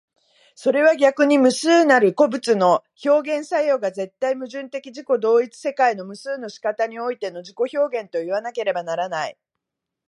それは逆に無数なる個物の表現作用が絶対矛盾的自己同一的世界の無数の仕方においての自己表現といわなければならない。